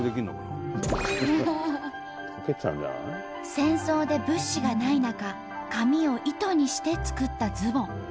戦争で物資がない中紙を糸にして作ったズボン。